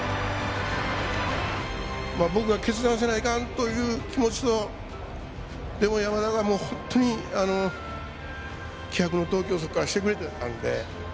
僕が決断せないかんという気持ちとでも山田が本当に気迫の投球をそこからしてくれてたんで。